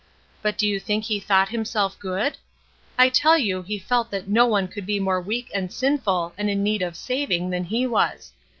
But do you think he thought himself good? I tell you he felt that no one could be more weak and sinful and in need of saving than he was.